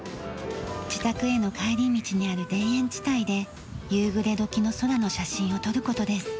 自宅への帰り道にある田園地帯で夕暮れ時の空の写真を撮る事です。